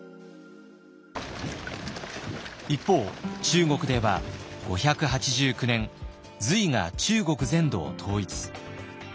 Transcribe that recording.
一方中国では５８９年隋が中国全土を統一。